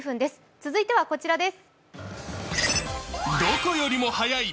続いてはこちらです。